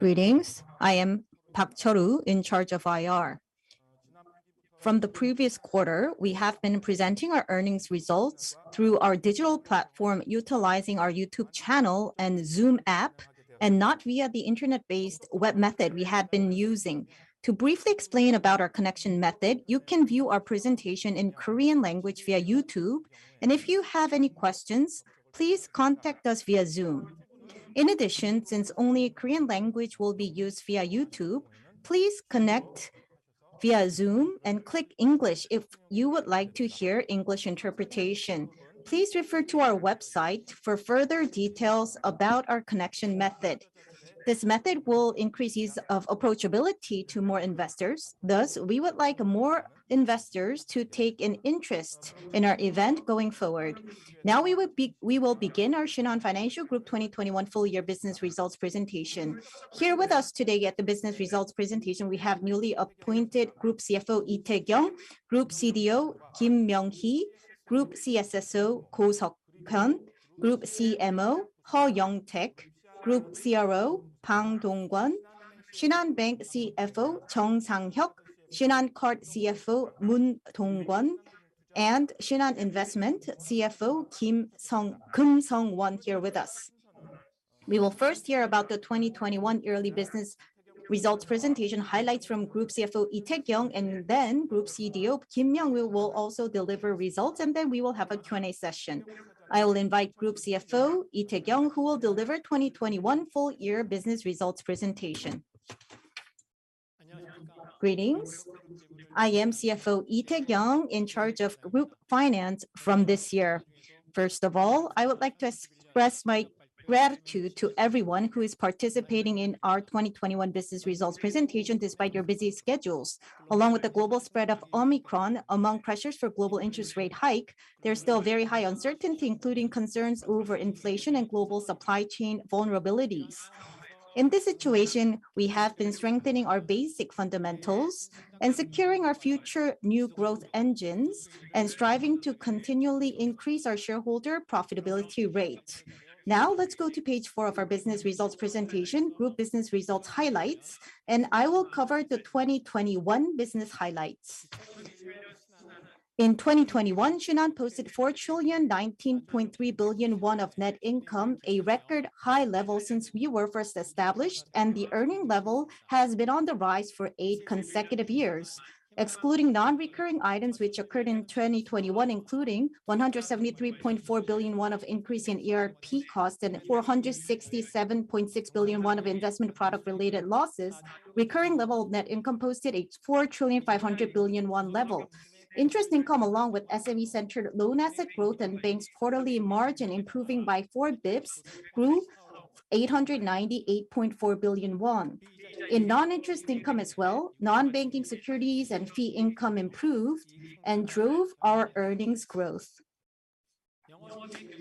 Greetings. I am Cheol Woo Park, in charge of IR. From the previous quarter, we have been presenting our earnings results through our digital platform utilizing our YouTube channel and Zoom app and not via the internet-based web method we have been using. To briefly explain about our connection method, you can view our presentation in Korean language via YouTube, and if you have any questions, please contact us via Zoom. In addition, since only Korean language will be used via YouTube, please connect via Zoom and click English if you would like to hear English interpretation. Please refer to our website for further details about our connection method. This method will increase ease of approachability to more investors, thus we would like more investors to take an interest in our event going forward. Now we will begin our Shinhan Financial Group 2021 full year business results presentation. Here with us today at the business results presentation, we have newly appointed Group CFO, Lee Taekyung, Group CDO, Kim Myung-hee, Group CSO, Go Suk-Hyun, Group CMO, Heo Young-taek, Group CRO, Bang Dong-kwon, Shinhan Bank CFO, Jeong Sang-hyuk, Shinhan Card CFO, Moon Dong-kwon, and Shinhan Investment CFO, Kim Sung-won here with us. We will first hear about the 2021 yearly business results presentation highlights from Group CFO, Lee Taekyung, and then Group CDO, Kim Myung-hee will also deliver results, and then we will have a Q&A session. I will invite Group CFO, Lee Taekyung, who will deliver 2021 full year business results presentation. Greetings. I am CFO Lee Taekyung in charge of group finance from this year. First of all, I would like to express my gratitude to everyone who is participating in our 2021 business results presentation despite your busy schedules. Along with the global spread of Omicron, among pressures for global interest rate hike, there's still very high uncertainty, including concerns over inflation and global supply chain vulnerabilities. In this situation, we have been strengthening our basic fundamentals and securing our future new growth engines and striving to continually increase our shareholder profitability rate. Now let's go to page four of our business results presentation, group business results highlights, and I will cover the 2021 business highlights. In 2021, Shinhan posted 4,019.3 billion won of net income, a record high level since we were first established, and the earning level has been on the rise for eight consecutive years. Excluding non-recurring items which occurred in 2021, including 173.4 billion won of increase in ERP cost and 467.6 billion won of investment product-related losses, recurring level net income posted a 4.5 trillion level. Interest income along with SME-centered loan asset growth and bank's quarterly margin improving by four basis points grew 898.4 billion won. In non-interest income as well, non-banking securities and fee income improved and drove our earnings growth.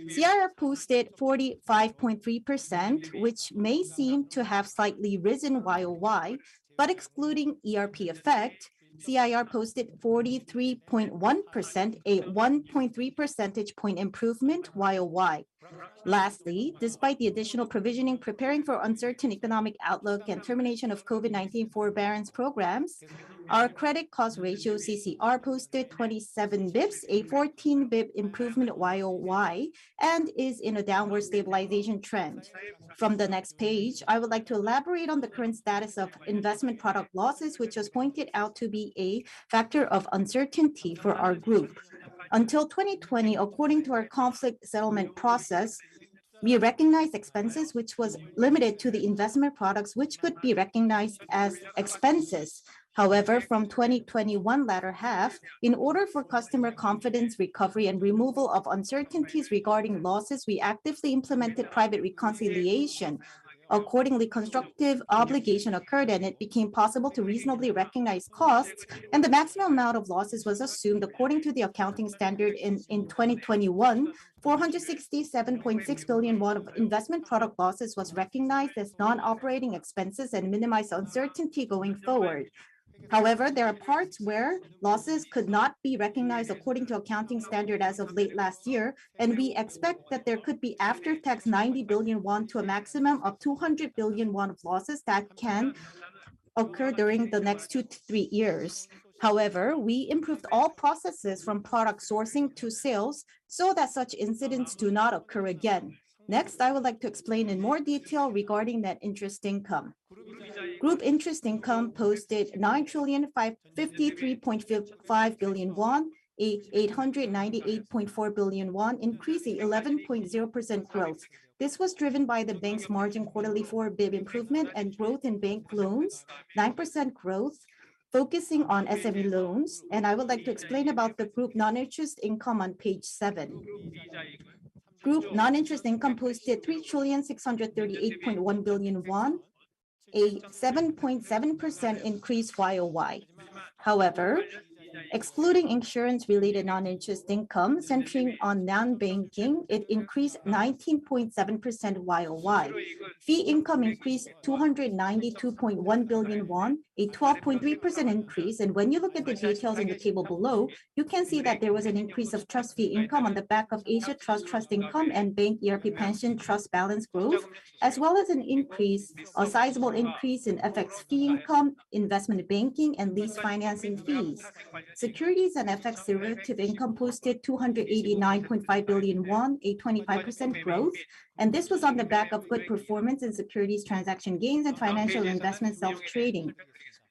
CIR posted 45.3%, which may seem to have slightly risen year-over-year, but excluding ERP effect, CIR posted 43.1%, a 1.3 percentage point improvement year-over-year. Lastly, despite the additional provisioning preparing for uncertain economic outlook and termination of COVID-19 forbearance programs, our credit cost ratio, CCR, posted 27 bps, a 14 bp improvement YoY, and is in a downward stabilization trend. From the next page, I would like to elaborate on the current status of investment product losses, which was pointed out to be a factor of uncertainty for our group. Until 2020, according to our conflict settlement process, we recognized expenses which was limited to the investment products which could be recognized as expenses. However, from 2021 latter half, in order for customer confidence recovery and removal of uncertainties regarding losses, we actively implemented private reconciliation. Accordingly, constructive obligation occurred, and it became possible to reasonably recognize costs, and the maximum amount of losses was assumed according to the accounting standard in 2021. 467.6 billion won of investment product losses was recognized as non-operating expenses and minimize uncertainty going forward. However, there are parts where losses could not be recognized according to accounting standard as of late last year, and we expect that there could be after-tax 90 billion won to a maximum of 200 billion won of losses that can occur during the next two to three years. However, we improved all processes from product sourcing to sales so that such incidents do not occur again. Next, I would like to explain in more detail regarding net interest income. Group interest income posted 9,053.5 billion won, an 898.4 billion won increase, 11.0% growth. This was driven by the bank's margin, quarterly four basis points improvement and growth in bank loans, 9% growth, focusing on SME loans, and I would like to explain about the group non-interest income on page seven. Group non-interest income posted 3,638.1 billion won. A 7.7% increase YOY. However, excluding insurance related non-interest income centering on non-banking, it increased 19.7% YOY. Fee income increased 292.1 billion won, a 12.3% increase. When you look at the details in the table below, you can see that there was an increase of trust fee income on the back of Shinhan Asset Trust trust income and bank ERP pension trust balance growth, as well as a sizable increase in FX fee income, investment banking, and lease financing fees. Securities and FX derivative income posted 289.5 billion won, a 25% growth, and this was on the back of good performance in securities transaction gains and financial investment self-trading.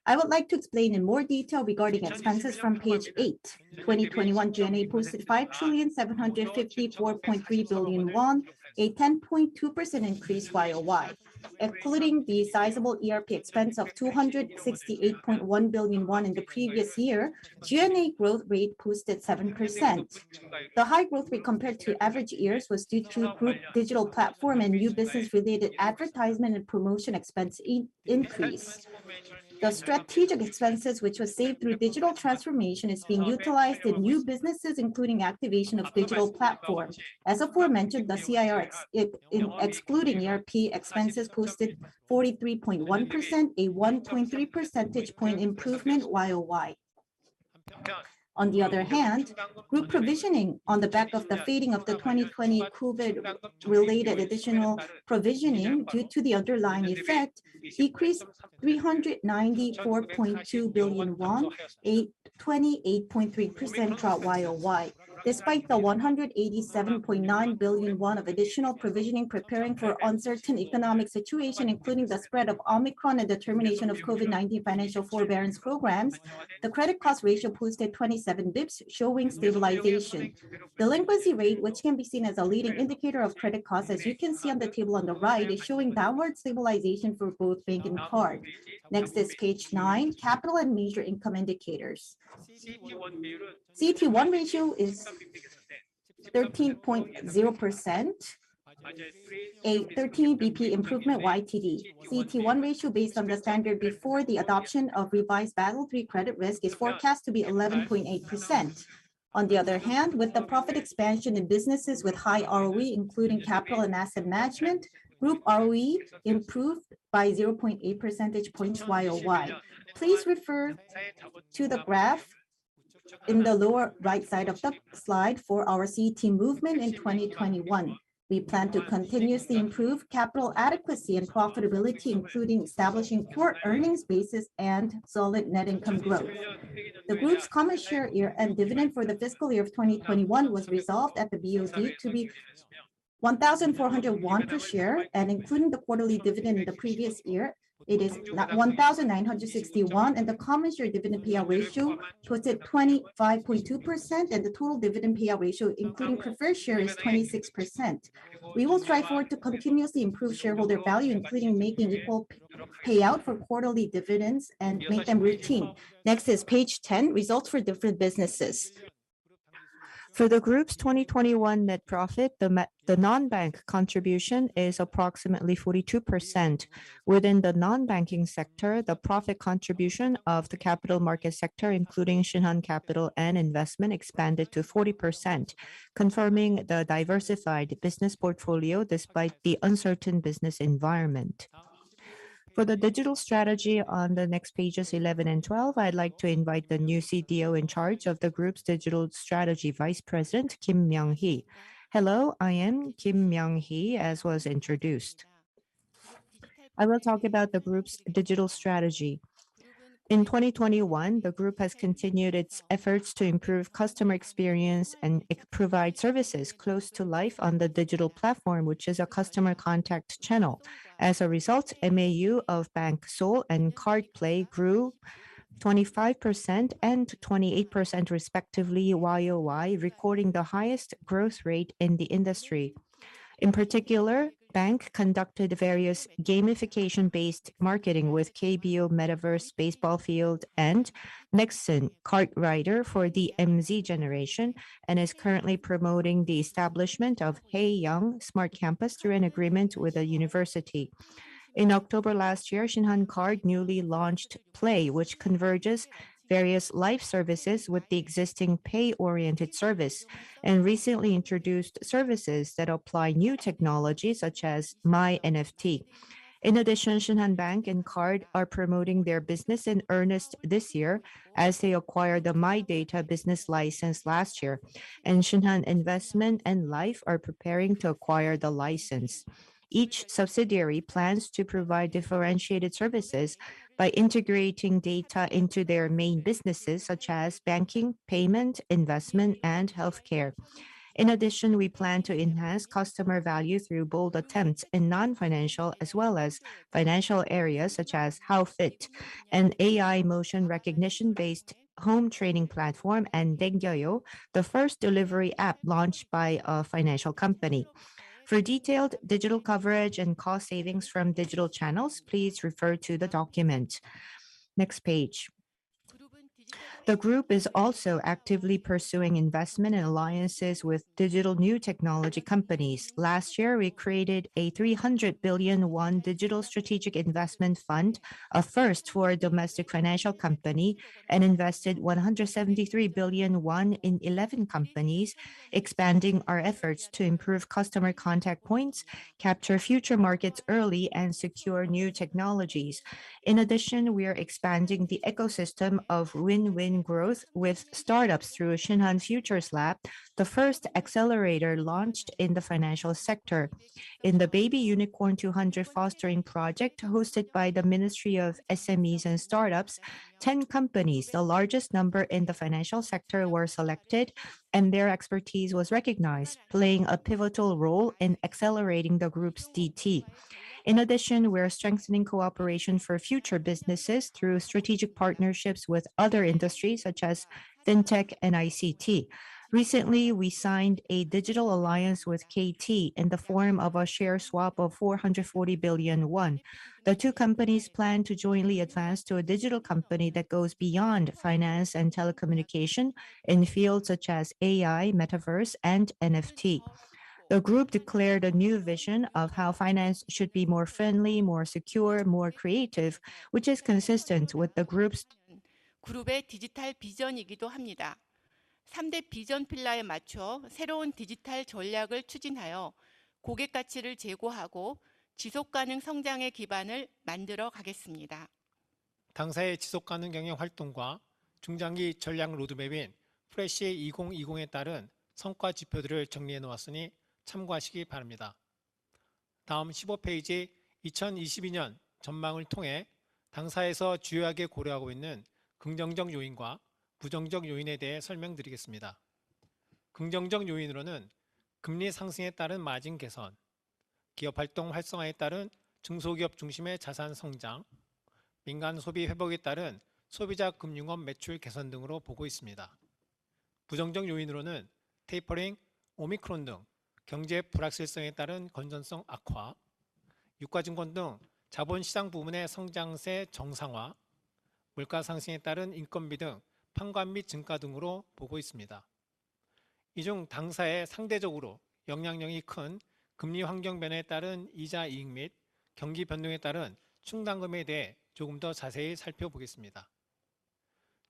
I would like to explain in more detail regarding expenses from page eight. 2021 G&A posted 5,754.3 billion won, a 10.2% increase YOY. Excluding the sizable ERP expense of 268.1 billion won in the previous year, G&A growth rate posted 7%. The high growth rate compared to average years was due to group digital platform and new business-related advertisement and promotion expense increased. The strategic expenses which was saved through digital transformation is being utilized in new businesses, including activation of digital platforms. As aforementioned, the CIR excluding ERP expenses posted 43.1%, a 1.3 percentage point improvement YOY. On the other hand, group provisioning on the back of the fading of the 2020 COVID-related additional provisioning due to the underlying effect decreased 394.2 billion won, a 28.3% drop YOY. Despite the 187.9 billion won of additional provisioning preparing for uncertain economic situation, including the spread of Omicron and the termination of COVID-19 financial forbearance programs, the credit cost ratio posted 27 basis points, showing stabilization. Delinquency rate, which can be seen as a leading indicator of credit costs, as you can see on the table on the right, is showing downward stabilization for both bank and card. Next is page nine, Capital and Major Income Indicators. CET1 ratio is 13.0%, a 13 basis points improvement YTD. CET1 ratio based on the standard before the adoption of revised Basel III credit risk is forecast to be 11.8%. On the other hand, with the profit expansion in businesses with high ROE, including capital and asset management, group ROE improved by 0.8 percentage points YOY. Please refer to the graph in the lower right side of the slide for our CET1 movement in 2021. We plan to continuously improve capital adequacy and profitability, including establishing core earnings basis and solid net income growth. The group's common share year-end dividend for the fiscal year of 2021 was resolved at the BoD to be 1,400 won per share, and including the quarterly dividend in the previous year, it is now 1,960 KRW, and the common share dividend payout ratio posted 25.2%, and the total dividend payout ratio, including preferred share, is 26%. We will strive forward to continuously improve shareholder value, including making equal payout for quarterly dividends and make them routine. Next is page 10, Results for Different Businesses. For the group's 2021 net profit, the non-bank contribution is approximately 42%. Within the non-banking sector, the profit contribution of the capital market sector, including Shinhan Capital and Shinhan Investment, expanded to 40%, confirming the diversified business portfolio despite the uncertain business environment. For the digital strategy on the next pages 11 and 12, I'd like to invite the new CDO in charge of the group's digital strategy, Vice President Kim Myung-hee. Hello, I am Kim Myung-hee, as was introduced. I will talk about the group's digital strategy. In 2021, the group has continued its efforts to improve customer experience and provide services close to life on the digital platform, which is a customer contact channel. As a result, MAU of Shinhan SOL and Shinhan pLay grew 25% and 28% respectively YOY, recording the highest growth rate in the industry. In particular, Shinhan Bank conducted various gamification-based marketing with KBO Metaverse Baseball Field and Nexon KartRider for the MZ generation, and is currently promoting the establishment of Hey Young Campus through an agreement with a university. In October last year, Shinhan Card newly launched pLay, which converges various life services with the existing pay-oriented service, and recently introduced services that apply new technology such as My NFT. In addition, Shinhan Bank and Card are promoting their business in earnest this year as they acquired the MyData business license last year, and Shinhan Investment and Life are preparing to acquire the license. Each subsidiary plans to provide differentiated services by integrating data into their main businesses such as banking, payment, investment, and healthcare. In addition, we plan to enhance customer value through bold attempts in non-financial as well as financial areas such as How-FIT, an AI motion recognition-based home training platform, and Ddaenggyeoyo, the first delivery app launched by a financial company. For detailed digital coverage and cost savings from digital channels, please refer to the document. Next page. The group is also actively pursuing investment and alliances with digital new technology companies. Last year, we created a 300 billion won digital strategic investment fund, a first for a domestic financial company, and invested 173 billion won in 11 companies, expanding our efforts to improve customer contact points, capture future markets early, and secure new technologies. In addition, we are expanding the ecosystem of win-win growth with startups through Shinhan Future's Lab, the first accelerator launched in the financial sector. In the Baby Unicorn 200 fostering project hosted by the Ministry of SMEs and Startups, 10 companies, the largest number in the financial sector, were selected and their expertise was recognized, playing a pivotal role in accelerating the group's DT. In addition, we are strengthening cooperation for future businesses through strategic partnerships with other industries such as fintech and ICT. Recently, we signed a digital alliance with KT in the form of a share swap of 440 billion won. The two companies plan to jointly advance to a digital company that goes beyond finance and telecommunication in fields such as AI, metaverse, and NFT. The group declared a new vision of how finance should be more friendly, more secure, more creative, which is consistent with the group's interest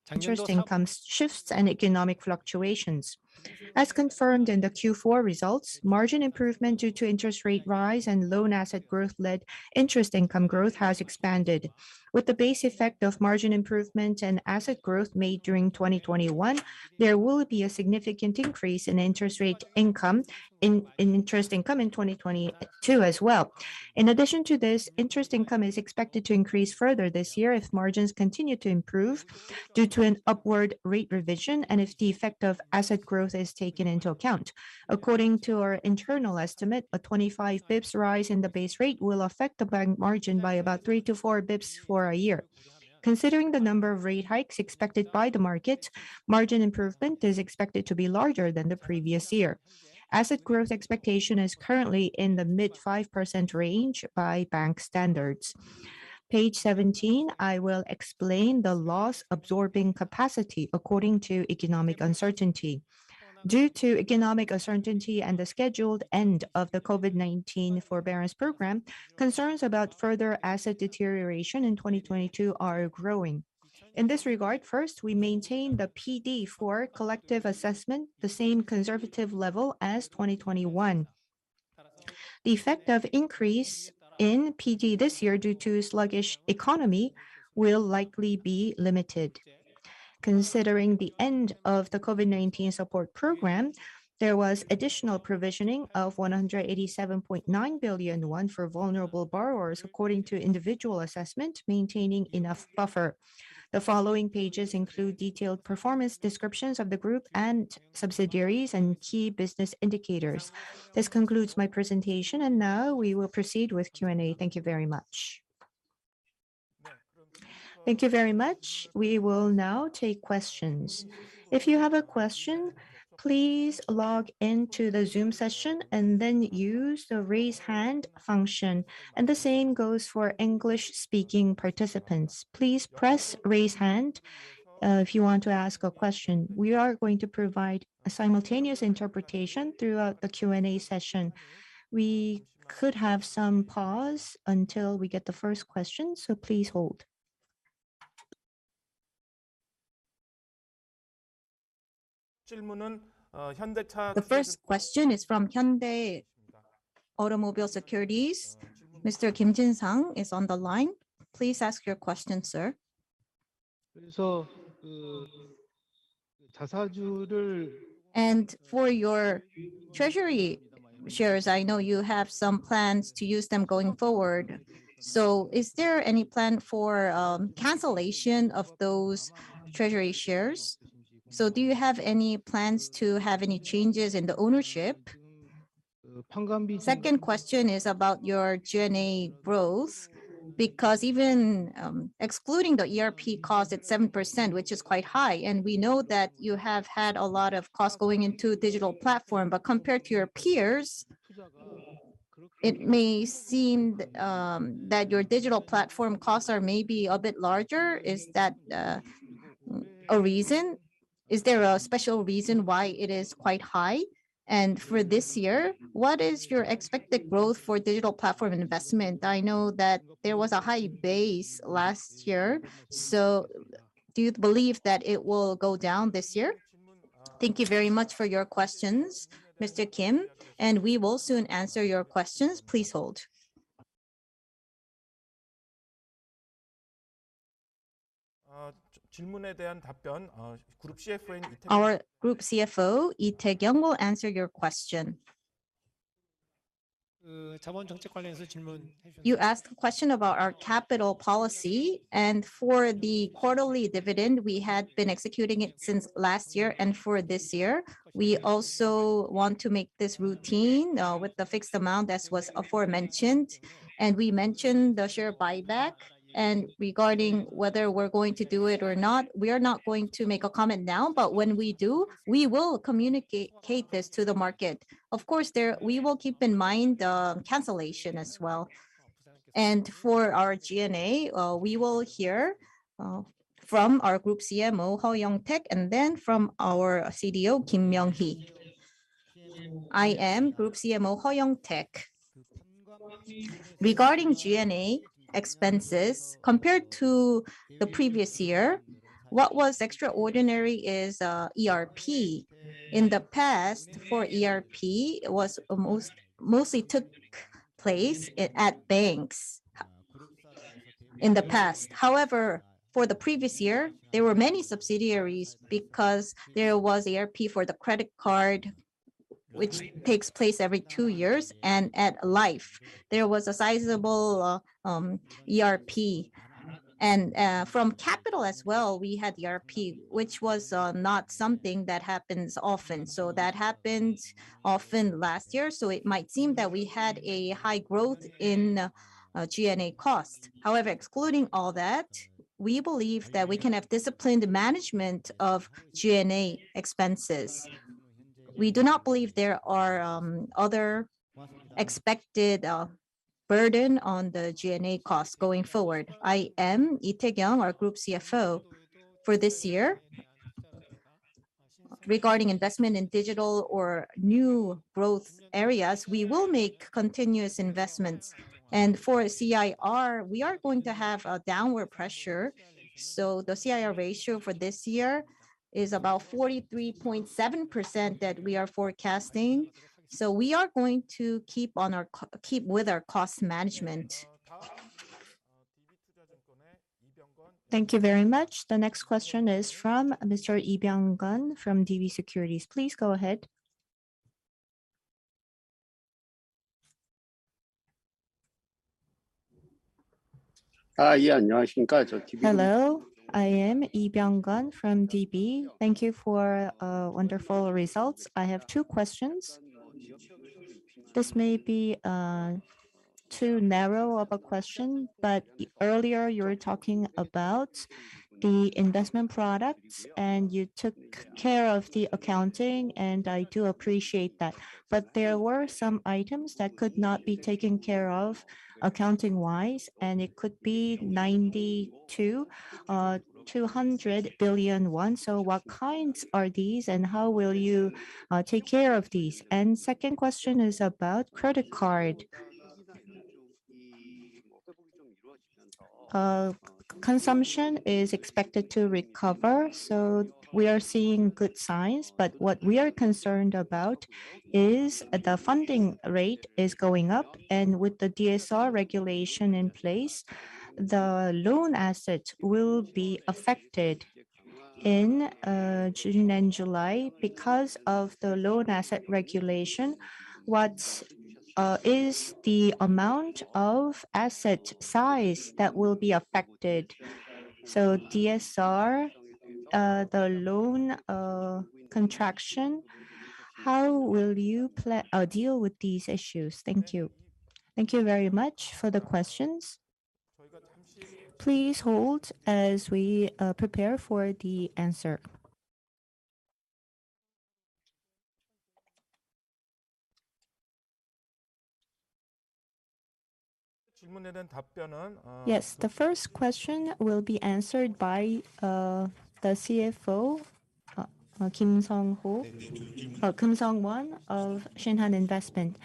income shifts and economic fluctuations. As confirmed in the Q4 results, margin improvement due to interest rate rise and loan asset growth led interest income growth has expanded. With the base effect of margin improvement and asset growth made during 2021, there will be a significant increase in interest income in 2022 as well. In addition to this, interest income is expected to increase further this year if margins continue to improve due to an upward rate revision and if the effect of asset growth is taken into account. According to our internal estimate, a 25 basis points rise in the base rate will affect the bank margin by about three-four basis points for a year. Considering the number of rate hikes expected by the market, margin improvement is expected to be larger than the previous year. Asset growth expectation is currently in the mid-5% range by bank standards. Page 17, I will explain the loss-absorbing capacity according to economic uncertainty. Due to economic uncertainty and the scheduled end of the COVID-19 forbearance program, concerns about further asset deterioration in 2022 are growing. In this regard, first, we maintain the PD for collective assessment, the same conservative level as 2021. The effect of increase in PD this year due to sluggish economy will likely be limited. Considering the end of the COVID-19 support program, there was additional provisioning of 187.9 billion won for vulnerable borrowers according to individual assessment, maintaining enough buffer. The following pages include detailed performance descriptions of the group and subsidiaries and key business indicators. This concludes my presentation, and now we will proceed with Q&A. Thank you very much. We will now take questions. If you have a question, please log in to the Zoom session and then use the Raise Hand function. The same goes for English-speaking participants. Please press Raise Hand, if you want to ask a question. We are going to provide a simultaneous interpretation throughout the Q&A session. We could have some pause until we get the first question, so please hold. The first question is from Hyundai Motor Securities. Mr. Kim Jinsung is on the line. Please ask your question, sir. For your treasury shares, I know you have some plans to use them going forward. Is there any plan for cancellation of those treasury shares? Do you have any plans to have any changes in the ownership? Second question is about your G&A growth because even excluding the ERP cost at 7%, which is quite high, and we know that you have had a lot of costs going into digital platform, but compared to your peers. It may seem that your digital platform costs are maybe a bit larger. Is that a reason? Is there a special reason why it is quite high? For this year, what is your expected growth for digital platform investment? I know that there was a high base last year, so do you believe that it will go down this year? Thank you very much for your questions, Mr. Kim, and we will soon answer your questions. Please hold. Group CFO and Our Group CFO, Lee Taekyung, will answer your question. Uh, You asked a question about our capital policy, and for the quarterly dividend, we had been executing it since last year and for this year. We also want to make this routine with the fixed amount, as was aforementioned. We mentioned the share buyback, and regarding whether we're going to do it or not, we are not going to make a comment now. When we do, we will communicate this to the market. Of course, we will keep in mind cancellation as well. For our G&A, we will hear from our Group CMO, Heo Young-taeg, and then from our CDO, Kim Myung-hee. I am Group CMO Heo Young-taek. Regarding G&A expenses, compared to the previous year, what was extraordinary is ERP. In the past, for ERP, it was mostly took place at banks in the past. However, for the previous year, there were many subsidiaries because there was ERP for the credit card, which takes place every two years, and at Life, there was a sizable ERP. From Capital as well, we had ERP, which was not something that happens often. That happened often last year, so it might seem that we had a high growth in G&A costs. However, excluding all that, we believe that we can have disciplined management of G&A expenses. We do not believe there are other expected burden on the G&A costs going forward. I am Lee Taekyung, our Group CFO. For this year, regarding investment in digital or new growth areas, we will make continuous investments. For CIR, we are going to have a downward pressure, so the CIR ratio for this year is about 43.7% that we are forecasting. We are going to keep with our cost management. Thank you very much. The next question is from Mr. Lee Byung-keun from DB Securities. Please go ahead. Yeah. Hello, I am Lee Byung-keun from DB. Thank you for wonderful results. I have two questions. This may be too narrow of a question, but earlier you were talking about the investment products, and you took care of the accounting, and I do appreciate that. There were some items that could not be taken care of accounting-wise, and it could be 92 billion-200 billion. What kinds are these, and how will you take care of these? Second question is about credit card. Consumption is expected to recover, so we are seeing good signs. What we are concerned about is the funding rate is going up, and with the DSR regulation in place, the loan assets will be affected in June and July because of the loan asset regulation. What is the amount of asset size that will be affected? So DSR, the loan contraction, how will you deal with these issues? Thank you. Thank you very much for the questions. Please hold as we prepare for the answer. Yes, the first question will be answered by the CFO, Kim Sung-won of Shinhan Investment.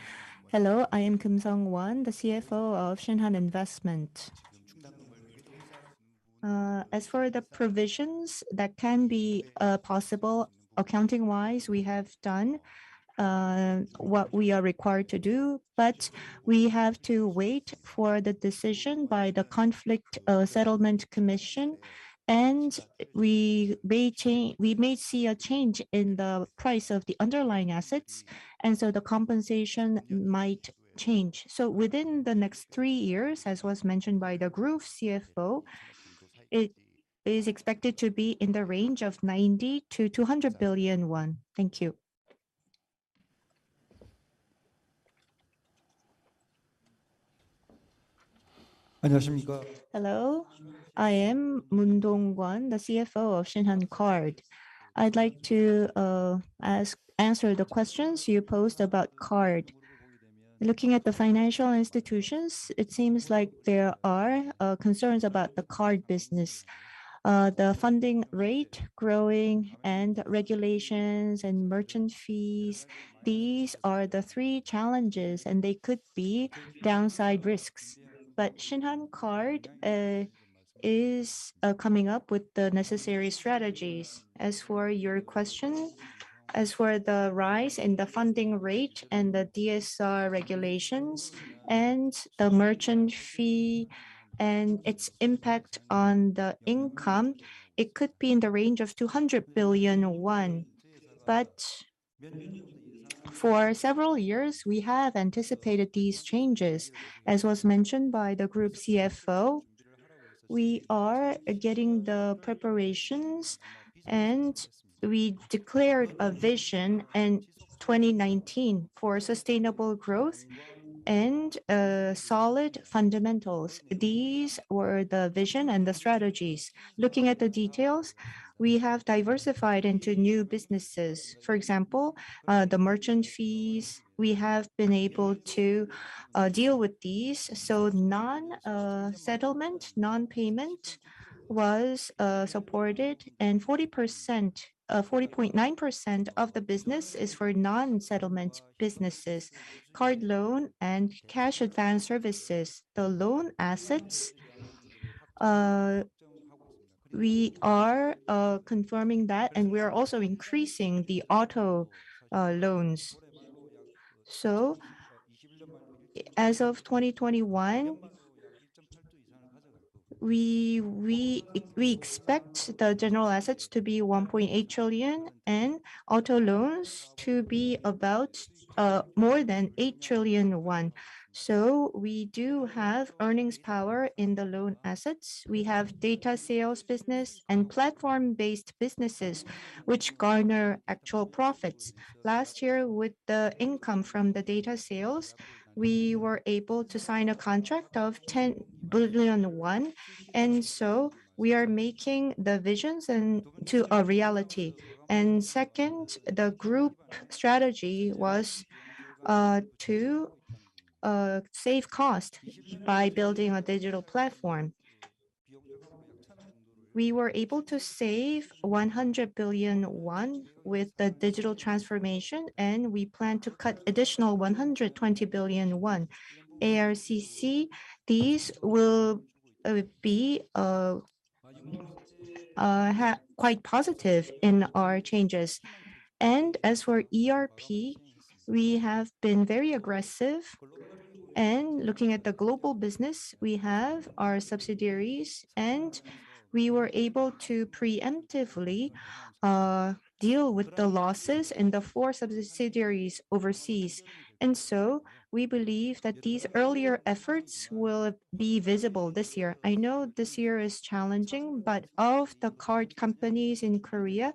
Hello, I am Kim Sung-won, the CFO of Shinhan Investment. As for the provisions that can be possible accounting-wise, we have done what we are required to do, but we have to wait for the decision by the Financial Dispute Mediation Committee, and we may see a change in the price of the underlying assets, and so the compensation might change. Within the next 3 years, as was mentioned by the Group CFO, it is expected to be in the range of 90 billion-200 billion won. Thank you. Hello, I am Moon Dong-kwon, the CFO of Shinhan Card. I'd like to answer the questions you posed about Card. Looking at the financial institutions, it seems like there are concerns about the Card business. The funding rate growing and regulations and merchant fees, these are the three challenges, and they could be downside risks. Shinhan Card is coming up with the necessary strategies. As for your question, the rise in the funding rate and the DSR regulations and the merchant fee and its impact on the income, it could be in the range of 200 billion won. For several years, we have anticipated these changes. As was mentioned by the Group CFO, we are getting the preparations, and we declared a vision in 2019 for sustainable growth and solid fundamentals. These were the vision and the strategies. Looking at the details, we have diversified into new businesses. For example, the merchant fees, we have been able to deal with these, so non-settlement, non-payment was supported. 40.9% of the business is for non-settlement businesses, card loan and cash advance services. The loan assets, we are confirming that, and we are also increasing the auto loans. As of 2021, we expect the general assets to be 1.8 trillion and auto loans to be about more than 8 trillion. We do have earnings power in the loan assets. We have data sales business and platform-based businesses which garner actual profits. Last year, with the income from the data sales, we were able to sign a contract of 10 billion won, and so we are making the visions into a reality. Second, the group strategy was to save cost by building a digital platform. We were able to save 100 billion won with the digital transformation, and we plan to cut additional 120 billion won. These will be quite positive in our changes. As for ERP, we have been very aggressive. Looking at the global business, we have our subsidiaries, and we were able to preemptively deal with the losses in the four subsidiaries overseas. We believe that these earlier efforts will be visible this year. I know this year is challenging, but of the card companies in Korea,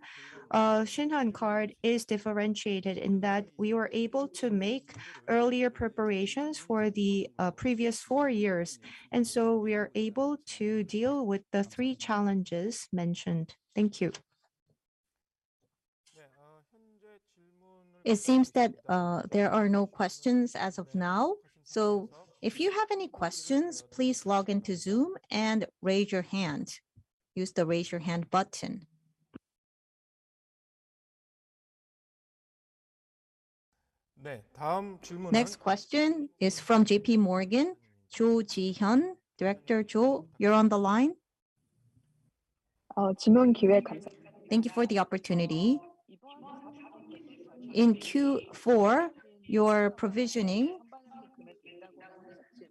Shinhan Card is differentiated in that we were able to make earlier preparations for the previous four years, and so we are able to deal with the three challenges mentioned. Thank you. It seems that, there are no questions as of now, so if you have any questions, please log into Zoom and raise your hand. Use the Raise Your Hand button. Next question is from J.P. Morgan, Jihyun Cho. Director Jo, you're on the line. Thank you for the opportunity. In Q4, your provisioning,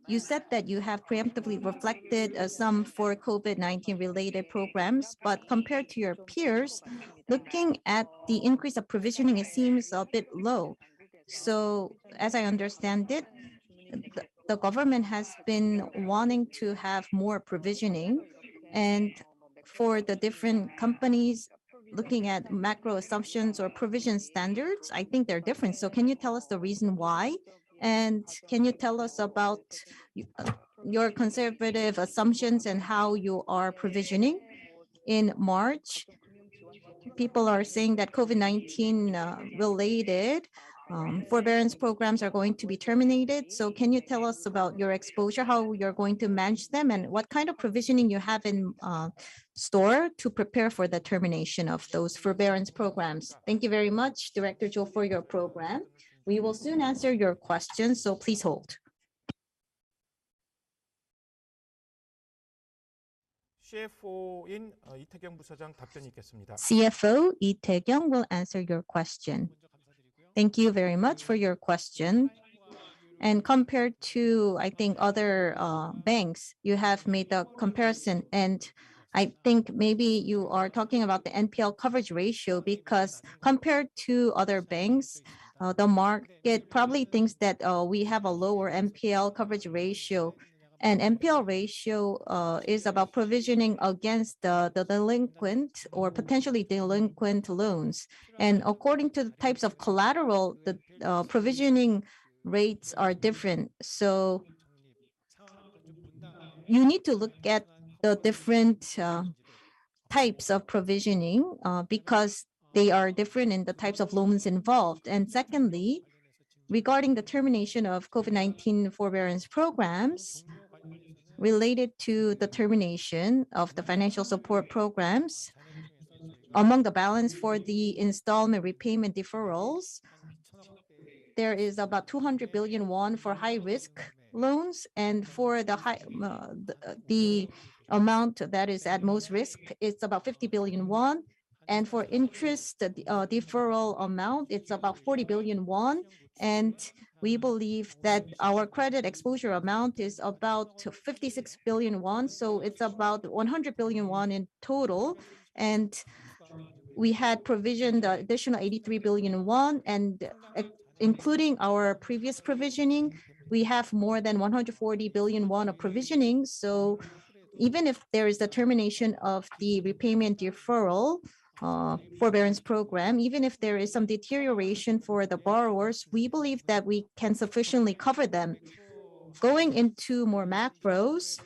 you said that you have preemptively reflected some for COVID-19 related programs, but compared to your peers, looking at the increase of provisioning, it seems a bit low. As I understand it, the government has been wanting to have more provisioning and for the different companies looking at macro assumptions or provision standards, I think they're different. Can you tell us the reason why? Can you tell us about your conservative assumptions and how you are provisioning in March? People are saying that COVID-19 related forbearance programs are going to be terminated. Can you tell us about your exposure, how you're going to manage them, and what kind of provisioning you have in store to prepare for the termination of those forbearance programs? Thank you very much, Director Jo, for your program. We will soon answer your question, so please hold. CFO Lee Taekyung will answer your question. Thank you very much for your question. Compared to, I think, other banks, you have made a comparison and I think maybe you are talking about the NPL coverage ratio because compared to other banks, the market probably thinks that we have a lower NPL coverage ratio. NPL ratio is about provisioning against the delinquent or potentially delinquent loans. According to the types of collateral, the provisioning rates are different. You need to look at the different types of provisioning because they are different in the types of loans involved. Secondly, regarding the termination of COVID-19 forbearance programs related to the termination of the financial support programs, among the balance for the installment repayment deferrals, there is about 200 billion won for high-risk loans, and for the high, the amount that is at most risk, it's about 50 billion won, and for interest, the deferral amount, it's about 40 billion won, and we believe that our credit exposure amount is about 56 billion won, so it's about 100 billion won in total. We had provisioned additional 83 billion won and, including our previous provisioning, we have more than 140 billion won of provisioning. Even if there is a termination of the repayment deferral, forbearance program, even if there is some deterioration for the borrowers, we believe that we can sufficiently cover them. Going into more macros,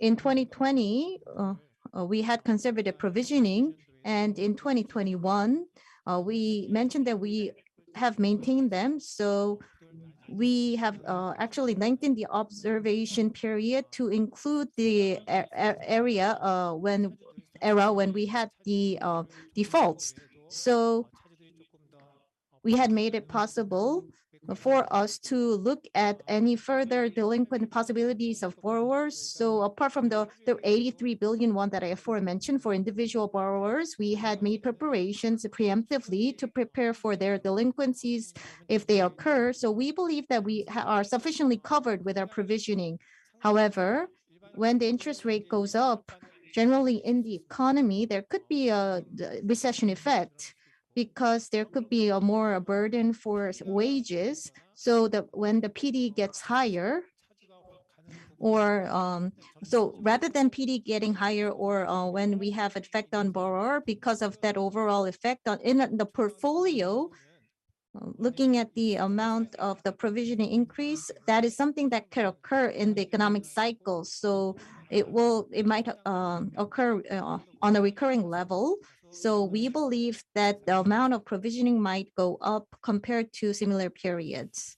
in 2020, we had conservative provisioning, and in 2021, we mentioned that we have maintained them. We have actually lengthened the observation period to include the era when we had the defaults. We had made it possible for us to look at any further delinquent possibilities of borrowers. Apart from the 83 billion that I aforementioned for individual borrowers, we had made preparations preemptively to prepare for their delinquencies if they occur. We believe that we are sufficiently covered with our provisioning. However, when the interest rate goes up, generally in the economy, there could be a recession effect because there could be a more burden for wages, so when the PD gets higher or. Rather than PD getting higher or, when we have effect on borrower because of that overall effect on in the portfolio, looking at the amount of the provisioning increase, that is something that could occur in the economic cycle, so it might occur on a recurring level. We believe that the amount of provisioning might go up compared to similar periods.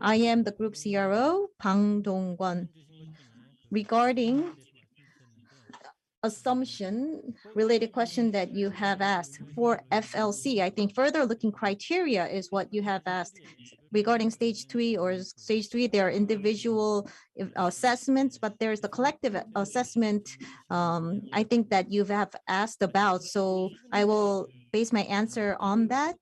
I am the Group CRO, Bang Dong-kwon. Regarding assumption-related question that you have asked, for FLC, I think Forward-Looking Criteria is what you have asked. Regarding stage three, there are individual assessments, but there is the collective assessment, I think that you have asked about, so I will base my answer on that.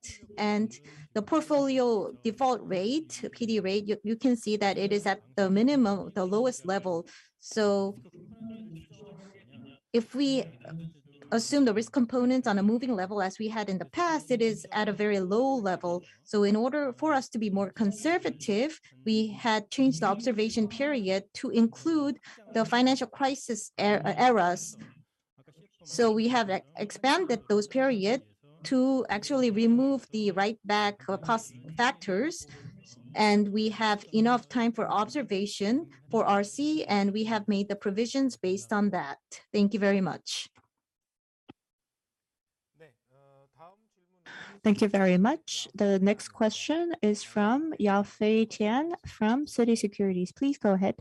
The portfolio default rate, PD rate, you can see that it is at the minimum, the lowest level. If we assume the risk components on a moving level as we had in the past, it is at a very low level. In order for us to be more conservative, we had changed the observation period to include the financial crisis eras. We have expanded those periods to actually remove the write back cost factors, and we have enough time for observation for RC, and we have made the provisions based on that. Thank you very much. Thank you very much. The next question is from Yafei Tian from Citi. Please go ahead.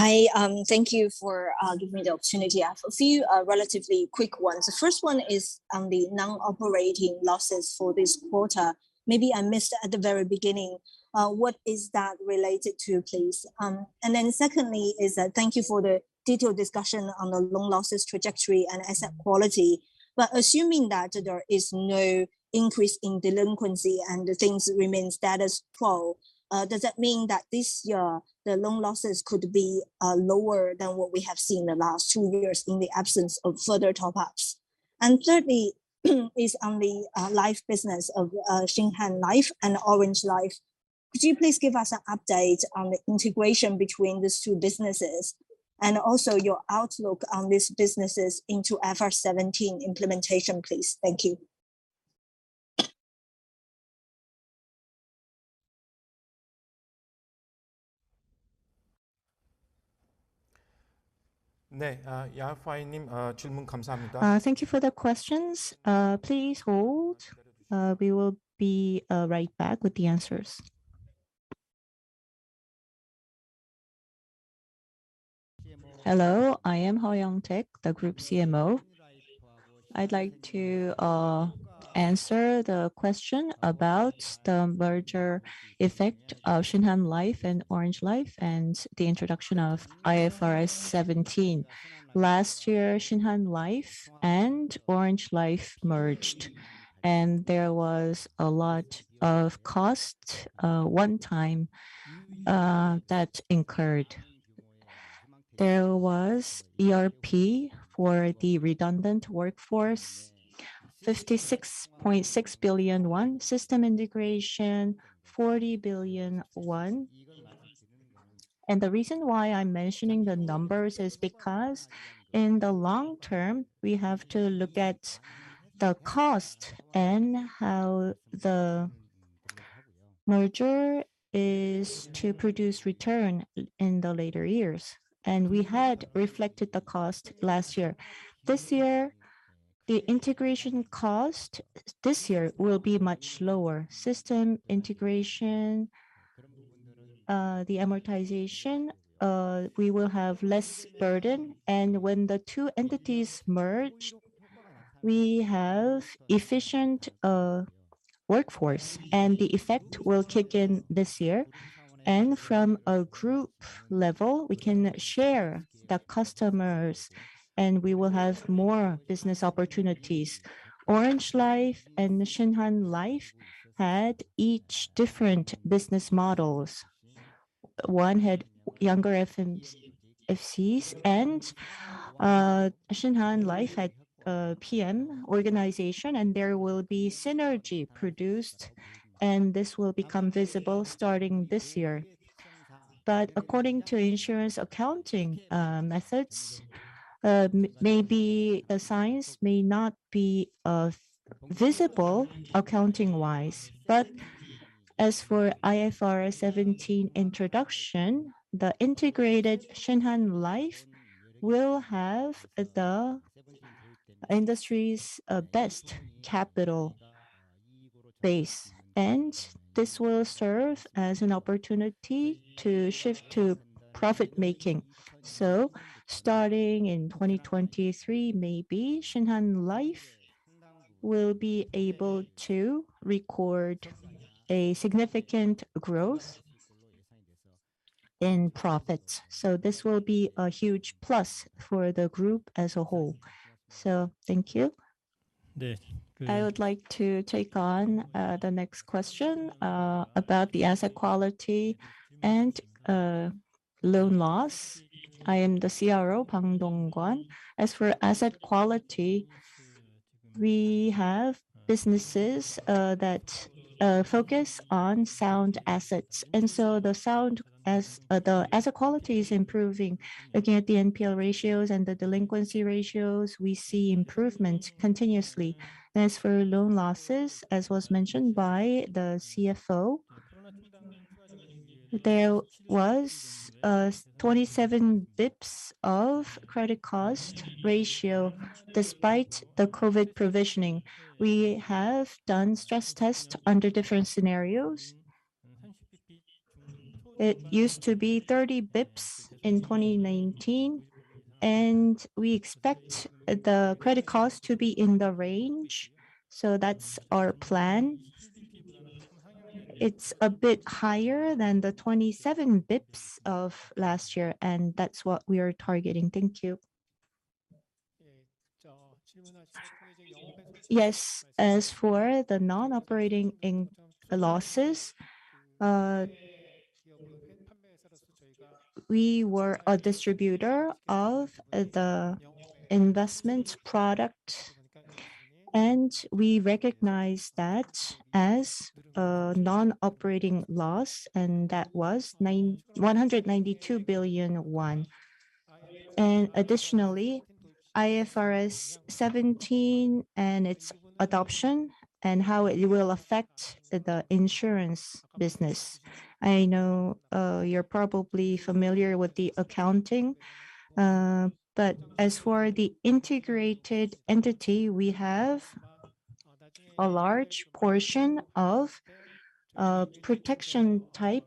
Hi. Thank you for giving me the opportunity. I have a few relatively quick ones. The first one is on the non-operating losses for this quarter. Maybe I missed at the very beginning what that is related to, please? And then secondly, thank you for the detailed discussion on the loan losses trajectory and asset quality. But assuming that there is no increase in delinquency and things remain status quo, does that mean that this year the loan losses could be lower than what we have seen the last two years in the absence of further top-ups? And thirdly, on the life business of Shinhan Life and Orange Life. Could you please give us an update on the integration between these two businesses and also your outlook on these businesses into IFRS 17 implementation, please? Thank you. Thank you for the questions. Please hold. We will be right back with the answers. Hello, I am Heo Young-taek, the Group CMO. I'd like to answer the question about the merger effect of Shinhan Life and Orange Life and the introduction of IFRS 17. Last year, Shinhan Life and Orange Life merged, and there was a lot of cost, one time, that incurred. There was ERP for the redundant workforce, 56.6 billion. System integration, 40 billion. The reason why I'm mentioning the numbers is because in the long term, we have to look at the cost and how the merger is to produce return in the later years. We had reflected the cost last year. This year, the integration cost this year will be much lower. System integration, the amortization, we will have less burden. When the two entities merge, we have efficient workforce, and the effect will kick in this year. From a group level, we can share the customers, and we will have more business opportunities. Orange Life and Shinhan Life had each different business models. One had younger FCs, and Shinhan Life had a GA organization, and there will be synergy produced, and this will become visible starting this year. According to insurance accounting methods, maybe the signs may not be visible accounting-wise. As for IFRS 17 introduction, the integrated Shinhan Life will have the industry's best capital base. This will serve as an opportunity to shift to profit-making. Starting in 2023, maybe Shinhan Life will be able to record a significant growth in profits. This will be a huge plus for the group as a whole. Thank you. I would like to take on the next question about the asset quality and loan loss. I am the CRO, Bang Dong-kwon. As for asset quality, we have businesses that focus on sound assets. The asset quality is improving. Looking at the NPL ratios and the delinquency ratios, we see improvement continuously. As for loan losses, as was mentioned by the CFO, there was 27 bps of credit cost ratio despite the COVID provisioning. We have done stress tests under different scenarios. It used to be 30 bps in 2019, and we expect the credit cost to be in the range. That's our plan. It's a bit higher than the 27 bps of last year, and that's what we are targeting. Thank you. Yes. As for the non-operating losses, we were a distributor of the investment product, and we recognized that as a non-operating loss, and that was 192 billion won. Additionally, IFRS 17 and its adoption and how it will affect the insurance business. I know you're probably familiar with the accounting, but as for the integrated entity, we have a large portion of protection type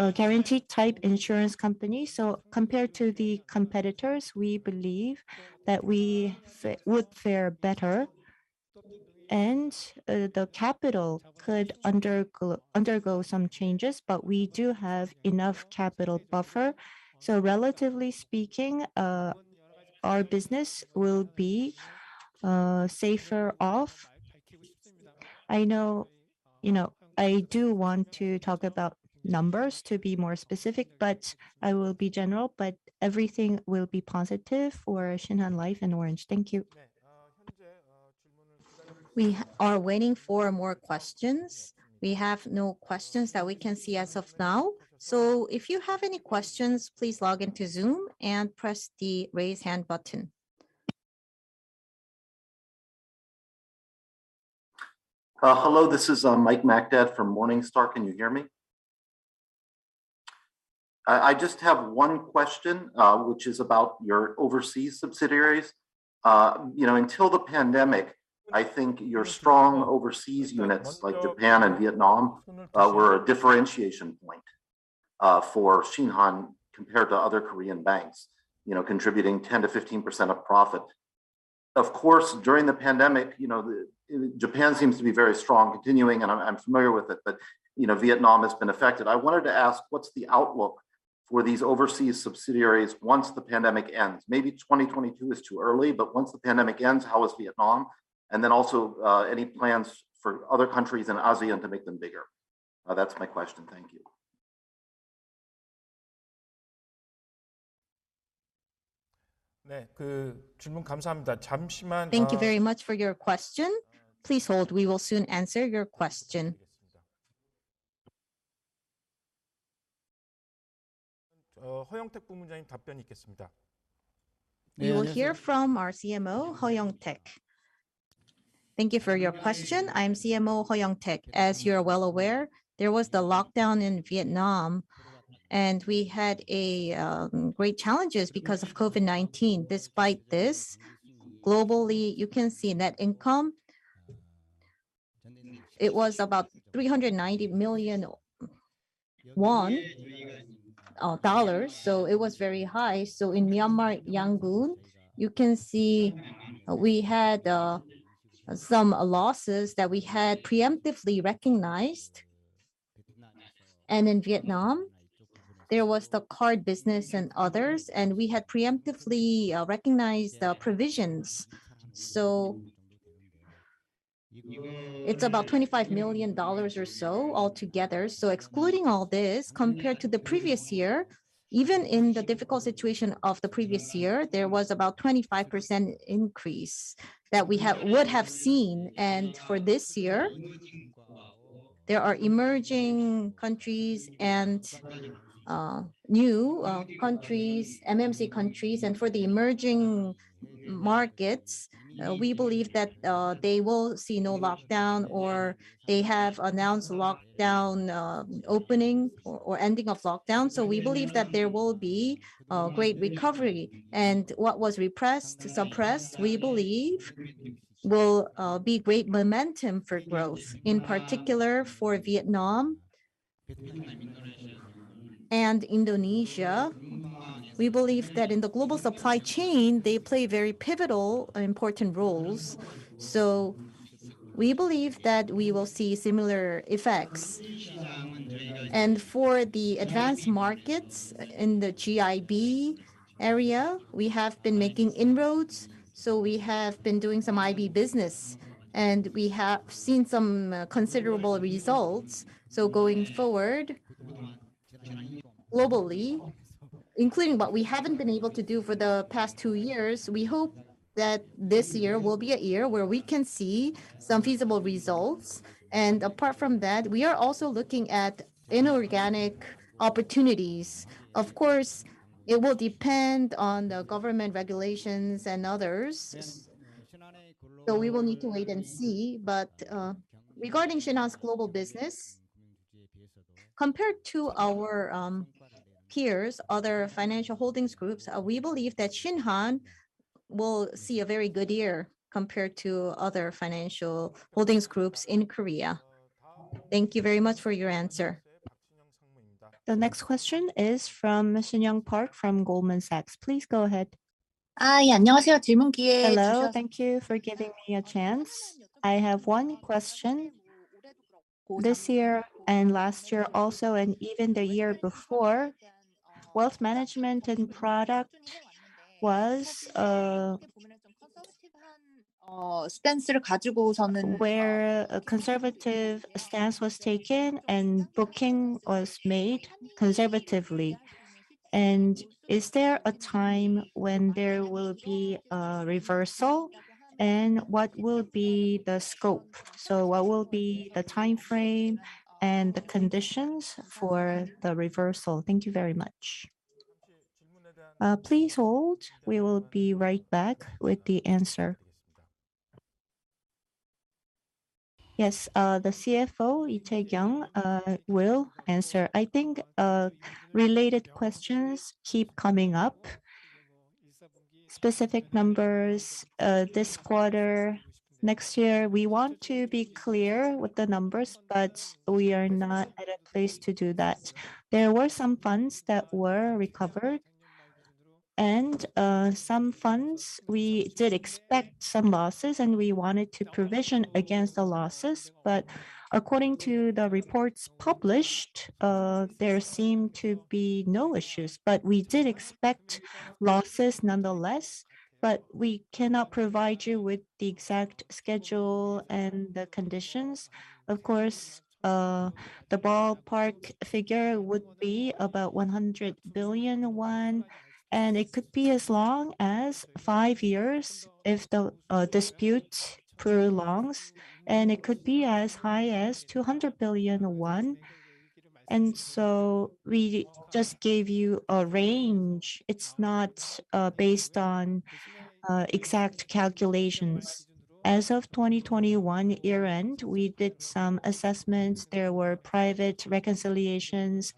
or guaranteed type insurance company. Compared to the competitors, we believe that we would fare better, and the capital could undergo some changes, but we do have enough capital buffer. Relatively speaking, our business will be safer off. I know you know I do want to talk about numbers to be more specific, but I will be general, but everything will be positive for Shinhan Life and Orange Life. Thank you. We are waiting for more questions. We have no questions that we can see as of now. If you have any questions, please log in to Zoom and press the Raise Hand button. Hello, this is Michael Makdad from Morningstar. Can you hear me? I just have one question, which is about your overseas subsidiaries. You know, until the pandemic, I think your strong overseas units like Japan and Vietnam were a differentiation point for Shinhan compared to other Korean banks, you know, contributing 10%-15% of profit. Of course, during the pandemic, you know, Japan seems to be very strong, continuing, and I'm familiar with it, but, you know, Vietnam has been affected. I wanted to ask, what's the outlook for these overseas subsidiaries once the pandemic ends? Maybe 2022 is too early, but once the pandemic ends, how is Vietnam? And then also, any plans for other countries in ASEAN to make them bigger? That's my question. Thank you. Thank you very much for your question. Please hold. We will soon answer your question. You will hear from our CMO, Heo Young-taeg. Thank you for your question. I'm CMO Young Taeg Heo. As you are well aware, there was the lockdown in Vietnam, and we had a great challenges because of COVID-19. Despite this, globally, you can see net income. It was about $390 million, so it was very high. In Myanmar, Yangon, you can see we had some losses that we had preemptively recognized. In Vietnam, there was the card business and others, and we had preemptively recognized the provisions. It's about $25 million or so altogether. Excluding all this, compared to the previous year, even in the difficult situation of the previous year, there was about 25% increase that we would have seen. For this year, there are emerging countries and new countries, CLMV countries. For the emerging markets, we believe that they will see no lockdown or they have announced lockdown opening or ending of lockdown. We believe that there will be a great recovery. What was repressed, suppressed, we believe will be great momentum for growth, in particular for Vietnam and Indonesia. We believe that in the global supply chain, they play very pivotal important roles, so we believe that we will see similar effects. For the advanced markets in the GIB area, we have been making inroads, so we have been doing some IB business, and we have seen some considerable results. Going forward, globally, including what we haven't been able to do for the past two years, we hope that this year will be a year where we can see some feasible results. Apart from that, we are also looking at inorganic opportunities. Of course, it will depend on the government regulations and others, so we will need to wait and see. Regarding Shinhan's global business, compared to our peers, other financial holdings groups, we believe that Shinhan will see a very good year compared to other financial holdings groups in Korea. Thank you very much for your answer. The next question is from Jamie Jieun Park from Goldman Sachs. Please go ahead. Hello. Thank you for giving me a chance. I have one question. This year and last year also, and even the year before, wealth management and product was, where a conservative stance was taken and booking was made conservatively. Is there a time when there will be a reversal, and what will be the scope? What will be the timeframe and the conditions for the reversal? Thank you very much. Yes, the CFO, Lee Taekyung, will answer. I think, related questions keep coming up. Specific numbers, this quarter, next year, we want to be clear with the numbers, but we are not at a place to do that. There were some funds that were recovered, and some funds we did expect some losses, and we wanted to provision against the losses. According to the reports published, there seemed to be no issues. We did expect losses nonetheless, but we cannot provide you with the exact schedule and the conditions. Of course, the ballpark figure would be about 100 billion, and it could be as long as five years if the dispute prolongs, and it could be as high as 200 billion won. We just gave you a range. It's not based on exact calculations. As of 2021 year-end, we did some assessments. There were private reconciliations.